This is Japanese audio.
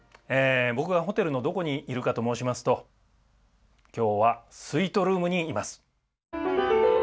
僕がホテルのどこにいるかと申しますと今日はスイートルームにいます。